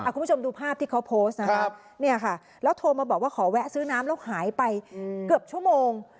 คุณผู้ชมดูภาพที่เขาโพสต์นะครับเนี่ยค่ะแล้วโทรมาบอกว่าขอแวะซื้อน้ำแล้วหายไปเกือบชั่วโมง